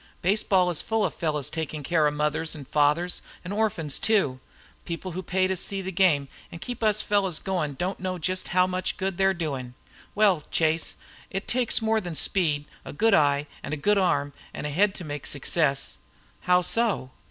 Baseball is full of fellows taking care of mothers and fathers and orphans, too. People who pay to see the game and keep us fellows going don't know just how much good they are doing. Well, Chase, it takes more than speed, a good eye, and a good arm and head to make success." "How so?"